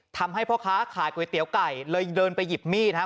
ทำให้พ่อค้าขายก๋วยเตี๋ยวไก่เลยเดินไปหยิบมีดนะครับ